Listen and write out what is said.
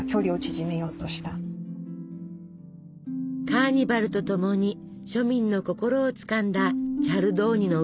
カーニバルとともに庶民の心をつかんだチャルドーニの歌。